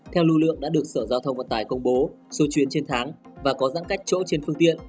theo lưu lượng đã được sở giao thông vận tải công bố số chuyến trên tháng và có giãn cách chỗ trên phương tiện